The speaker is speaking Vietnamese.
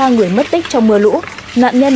ba người mất tích trong mưa lũ nạn nhân